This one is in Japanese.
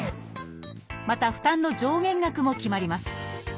また負担の上限額も決まります。